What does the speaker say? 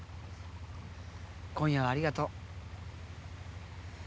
今夜はありがとう。